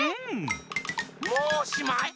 もうおしまい？